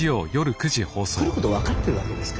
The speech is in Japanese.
来ること分かってるわけですから。